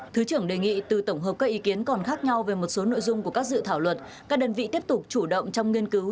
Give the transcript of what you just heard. thứ trưởng đề nghị từ tổng hợp các ý kiến còn khác nhau về một số nội dung của các dự thảo luật các đơn vị tiếp tục chủ động trong nghiên cứu